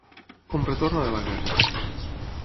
Com retorna de la guerra?